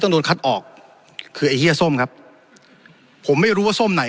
โดนคัดออกคือไอ้เฮียส้มครับผมไม่รู้ว่าส้มไหน